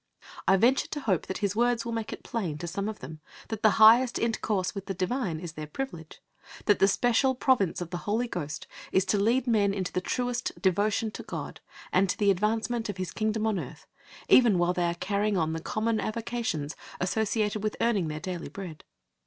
I venture to hope that his words will make it plain to some of them that the highest intercourse with the Divine is their privilege; that the special province of the Holy Ghost is to lead men into the truest devotion to God, and to the advancement of His Kingdom on earth, even while they are carrying on the common avocations associated with earning their daily bread.